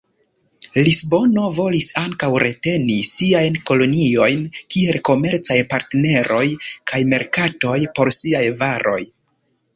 Lisbono volis ankaŭ reteni siajn koloniojn kiel komercaj partneroj kaj merkatoj por siaj varoj.